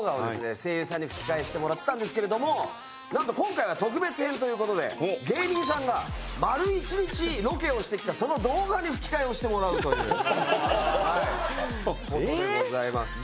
声優さんに吹き替えしてもらってたんですけれどもなんと今回は特別編という事で芸人さんが丸１日ロケをしてきたその動画に吹き替えをしてもらうという事でございます。